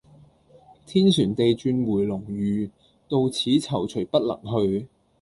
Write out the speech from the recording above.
天旋地轉回龍馭，到此躊躇不能去。